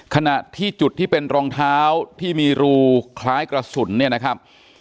ขณะที่จุดที่เป็นรองเท้าที่มีรูคล้ายกระสุนเนี่ยนะครับ